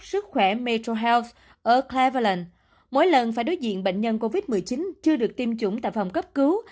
sức khỏe metrohealth ở cleveland mỗi lần phải đối diện bệnh nhân covid một mươi chín chưa được tiêm chủng tại phòng cấp cứu